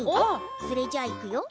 それじゃあ、いくよ！